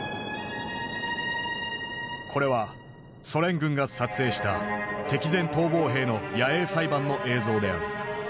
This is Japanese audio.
これはソ連軍が撮影した敵前逃亡兵の野営裁判の映像である。